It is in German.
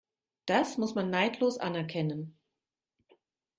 Das muss man neidlos anerkennen.